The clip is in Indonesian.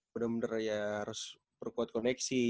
bener bener ya harus perkuat koneksi